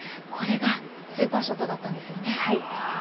これがスーパーショットだったんですよね。